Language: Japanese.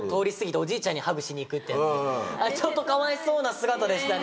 あれちょっとかわいそうな姿でしたね